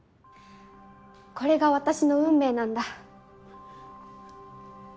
これが私の運命なんだ